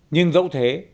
nhưng dẫu thế